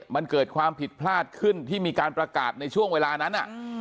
มันเกิดความผิดพลาดขึ้นที่มีการประกาศในช่วงเวลานั้น